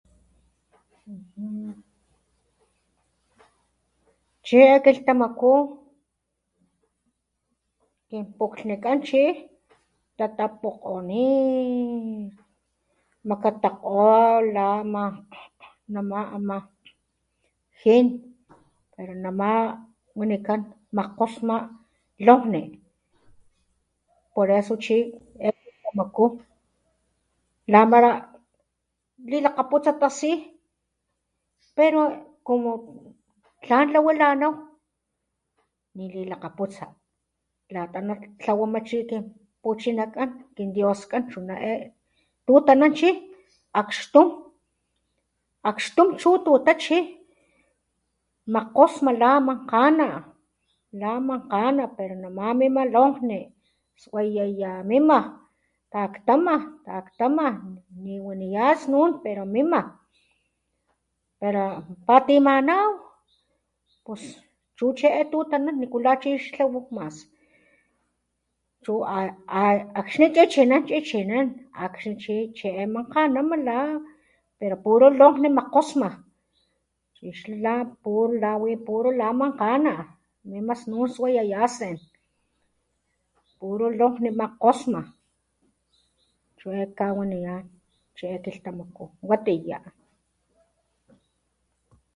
Chi e kiltamakú, kin pukglhnikán chi tatapukooonittt, makatako la na má jin, pero namá wanikán makkgosma lonkgni ,por eso chi e kilhtamakú lamará lilakaputsa tasí, pero como tlan lawilanaw ni lilakaputsa lata chi tlawama chi kin puchinakán kin dios kan chuná e tutanan chi akgxtum, akgxtum chu tutá chi makgosma la mankana, la mankaná pero namá mima lonkgni swayaya mima, taktama taktama ni waniyán snun pero mima, pero patimanaw pus chu chi e tutanan nikula chi ixtlawaw, mas, chu akkxni chichinán chichinan, akxni chi e mankanama, la pero puro longni mak kgosma, akgxni wi la puru la mankgosma , mima snun suayayasen, puru lonkgne makgosma, chu e kawaniyán chi e kiltamakú, watiyá.